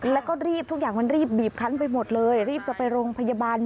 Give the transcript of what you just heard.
แล้วก็รีบทุกอย่างมันรีบบีบคันไปหมดเลยรีบจะไปโรงพยาบาล